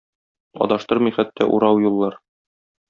Адаштырмый хәтта урау юллар